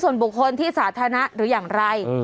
วันนี้จะเป็นวันนี้